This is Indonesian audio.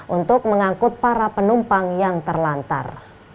untuk mengangkut para penumpang yang terlantar